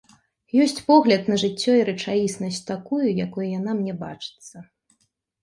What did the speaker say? Ёсць погляд на жыццё і рэчаіснасць такую, якой яна мне бачыцца.